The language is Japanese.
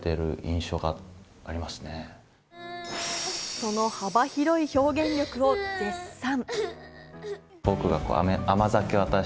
その幅広い表現力を絶賛。